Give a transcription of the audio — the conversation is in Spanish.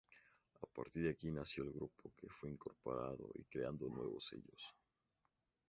A partir de aquí nació el grupo, que fue incorporando y creando nuevos sellos.